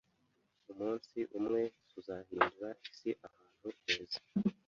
Umunsi umwe tuzahindura isi ahantu heza